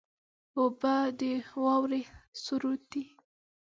اوبه د واورې سرور دي.